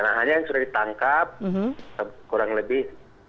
nah hanya yang sudah ditangkap kurang lebih satu ratus enam puluh tiga